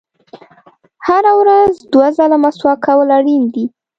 • هره ورځ دوه ځله مسواک کول اړین دي.